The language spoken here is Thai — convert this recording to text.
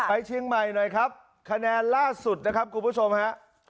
เชียงใหม่หน่อยครับคะแนนล่าสุดนะครับคุณผู้ชมฮะ